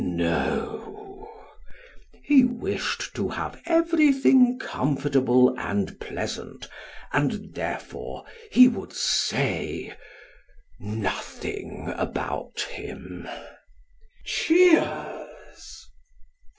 No ! He wished to have everything comfortable and pleasant, and therefore, lie would say nothing about him (cheers).